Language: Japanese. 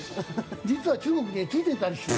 実は中国についてたりしてな。